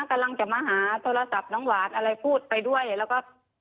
กำลังจะมาหาโทรศัพท์น้องหวานอะไรพูดไปด้วยแล้วก็